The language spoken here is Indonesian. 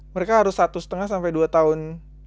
mereka harus satu setengah sampai dua tahun